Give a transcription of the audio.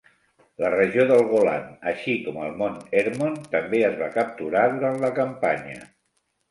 La regió del Golan, així com el mont Hermon, també es va capturar durant la campanya.